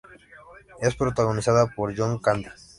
Es protagonizada por John Candy.